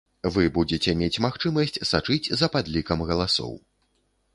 Вы будзеце мець магчымасць сачыць за падлікам галасоў.